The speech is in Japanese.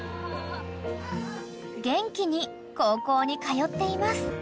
［元気に高校に通っています］